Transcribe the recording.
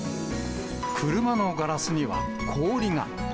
車のガラスには氷が。